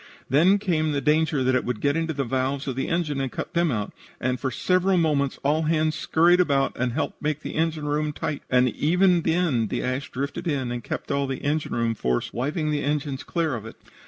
Then came the danger that it would get into the valves of the engine and cut them out, and for several moments all hands scurried about and helped make the engine room tight, and even then the ash drifted in and kept all the engine room force wiping the engines clear of it.